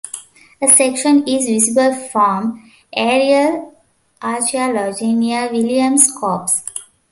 A section is visible from aerial archaeology near William's Copse.